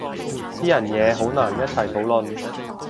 私人嘢好難一齊討論